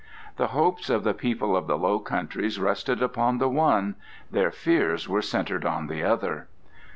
The hopes of the people of the Low Countries rested upon the one; their fears were centred on the other.